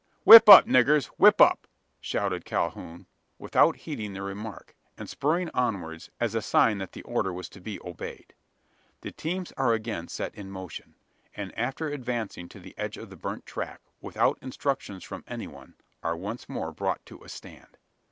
"Whip up, niggers! whip up!" shouted Calhoun, without heeding the remark; and spurring onwards, as a sign that the order was to be obeyed. The teams are again set in motion; and, after advancing to the edge of the burnt tract, without instructions from any one, are once more brought to a stand.